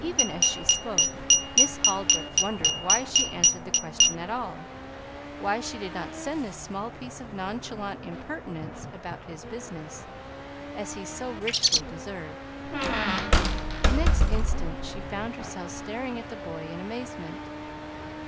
Even as she spoke, Miss Holbrook wondered why she answered the question at all; why she did not send this small piece of nonchalant impertinence about his business, as he so richly deserved. The next instant she found herself staring at the boy in amazement.